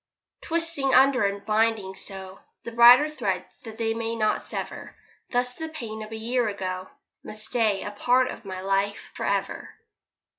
Twisting under and binding so The brighter threads that they may not sever. Thus the pain of a year ago Must stay a part of my life for ever.